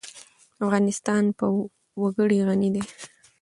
افغانستان په وګړي غني دی.